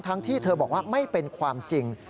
ที่เธอบอกว่าไม่เป็นความจริง